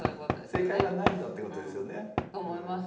正解はないんだってことですよね。と思います。